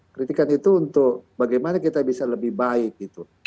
kritikan itu untuk bagaimana kita bisa lebih baik gitu